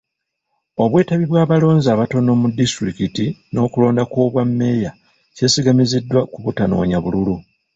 Obwetabi bw'abalonzi abatono mu disitulikiti n'okulonda okw'obwa mmeeya kyesigamiziddwa ku butanoonya bululu.